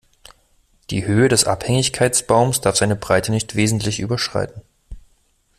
Die Höhe des Abhängigkeitsbaums darf seine Breite nicht wesentlich überschreiten.